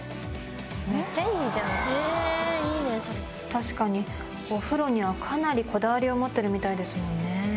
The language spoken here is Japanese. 確かにお風呂にはかなりこだわりを持ってるみたいですね。